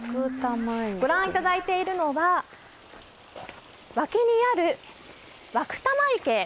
ご覧いただいているのは湧玉池。